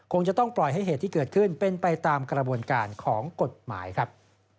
คงจะต้องปล่อยให้เหตุที่เกิดขึ้นเป็นไปตามกระบวนการของกฎหมายครับ